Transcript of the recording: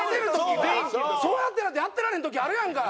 そうやってないとやってられへん時あるやんか！